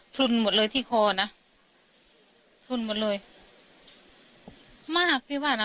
ลุนหมดเลยที่คอนะพลุนหมดเลยมากพี่ว่านะ